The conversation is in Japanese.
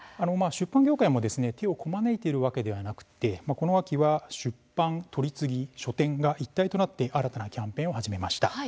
出版業界も手をこまねいているわけではなくてこの秋は出版、取り次ぎ、書店が一体となって新たなキャンペーンを始めました。